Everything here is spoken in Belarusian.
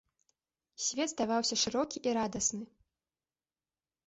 Свет здаваўся шырокі і радасны.